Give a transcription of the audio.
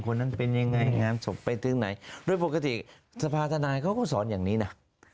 คนนั้นเป็นยังไงงานศพไปถึงไหนโดยปกติสภาธนายเขาก็สอนอย่างนี้นะ